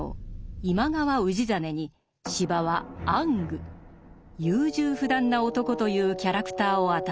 今川氏真に司馬は「暗愚」優柔不断な男というキャラクターを与えている。